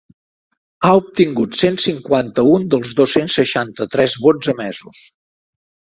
Ha obtingut cent cinquanta-un dels dos-cents seixanta-tres vots emesos.